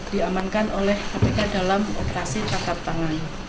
diamankan oleh kpk dalam operasi tangkap tangan